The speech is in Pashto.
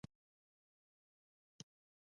دا ستاینه د نجات لار نه ده.